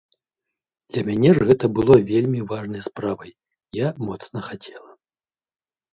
Для мяне ж гэта было вельмі важнай справай, я моцна хацела.